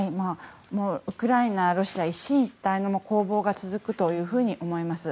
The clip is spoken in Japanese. ウクライナ、ロシア一進一退の攻防が続くと思います。